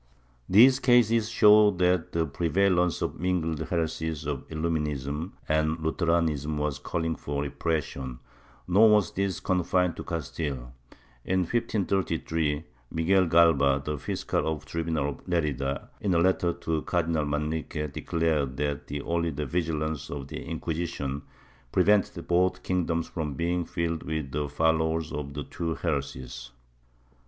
These cases show that the prevalence of the mingled heresies of Illuminism and Lutheranism was calling for repression, nor was this confined to Castile. In 1533, Miguel Galba, fiscal of the tribunal of Lerida, in a letter to Cardinal Manrique, declared that only the vigilance of the Inquisition prevented both kingdoms from being filled with the followers of the two heresies.